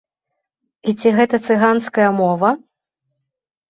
І ці гэта цыганская мова?